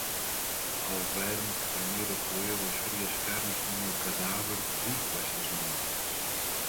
Ao verme que primeiro roeu as frias carnes do meu cadáver dedico estas Memórias